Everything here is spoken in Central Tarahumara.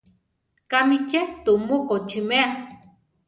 Kámi tze tumu kochímea?